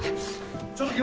ちょっと君！